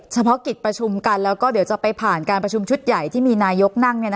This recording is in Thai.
เฉพาะกิจประชุมกันแล้วก็เดี๋ยวจะไปผ่านการประชุมชุดใหญ่ที่มีนายกนั่ง